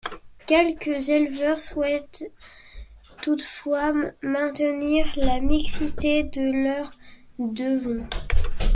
Quelques éleveurs souhaitent toutefois maintenir la mixité de leurs devons.